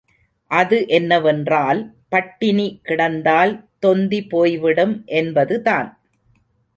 அது என்னவென்றால் பட்டினி கிடந்தால் தொந்தி போய்விடும் என்பது தான்.